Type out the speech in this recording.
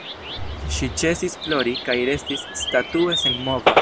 Ŝi ĉesis plori, kaj restis statue senmova.